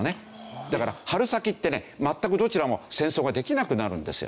だから春先ってね全くどちらも戦争ができなくなるんですよ。